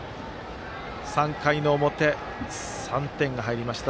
３回の表、３点が入りました。